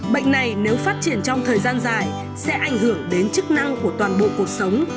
bệnh này nếu phát triển trong thời gian dài sẽ ảnh hưởng đến chức năng của toàn bộ cuộc sống